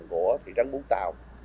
của thị trấn bú tàu